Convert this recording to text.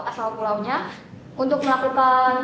asal pulaunya untuk melakukan